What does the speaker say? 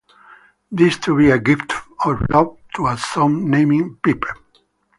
This to be a gift of love to a son named Pip.